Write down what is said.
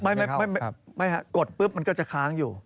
ไม่ฮะกดปุ๊บมันก็จะค้างอยู่